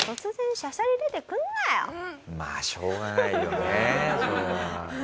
まあしょうがないよねそれは。